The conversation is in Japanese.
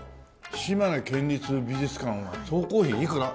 「島根県立美術館は総工費いくら？」